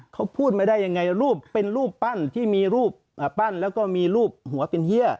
เขาพูดมาได้ยังไงรูปเป็นรูปปั้นที่มีรูปปั้นแล้วก็มีรูปหัวเป็นเฮีย